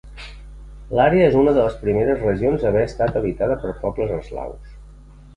L'àrea és una de les primeres regions a haver estat habitada per pobles eslaus.